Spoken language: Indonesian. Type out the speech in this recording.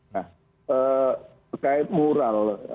nah terkait mural